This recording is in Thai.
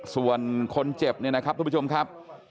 ส่วนคนเจ็บเนี่ยนะครับทุกผู้ชมครับ